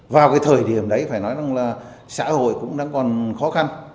vào cái thời điểm đấy phải nói rằng là xã hội cũng đang còn khó khăn